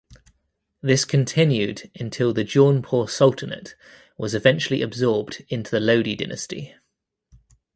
This continued until the Jaunpur Sultanate was eventually absorbed into the Lodi dynasty.